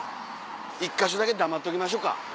１か所だけ黙っときましょうか。